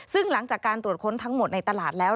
ซึ่งหลังจากการตรวจค้นทั้งหมดในตลาดแล้ว